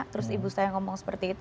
terus ibu saya ngomong seperti itu